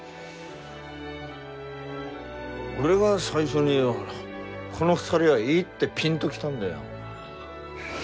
俺が最初にこの２人はいいってピンと来たんだよ。